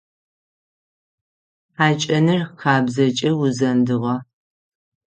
Хьакӏэныр хабзэкӏэ узэндыгъэ.